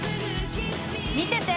見てて！